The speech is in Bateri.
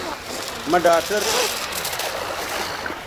مہ ڈاکٹر کسئ بزا